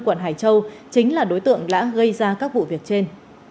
quận hải châu chính là đối tượng đã gây ra các vụ việc trên